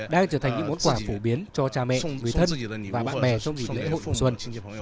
đang trở thành những món quà phổ biến cho cha mẹ người thân và bạn bè trong dịp lễ hội phụ xuân